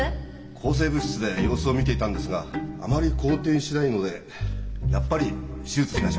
抗生物質で様子をみていたんですがあまり好転しないのでやっぱり手術しましょう。